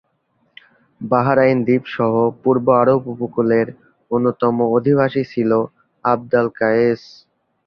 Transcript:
Bahrain দ্বীপ সহ পূর্ব আরব উপকূলের অন্যতম অধিবাসী ছিলো আব্দ আল-কায়েস।